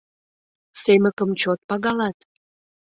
Семыкым чот пагалат?